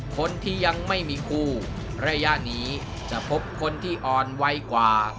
คนที่ยังไม่มีคู่ระยะนี้จะพบคนที่อ่อนไวกว่า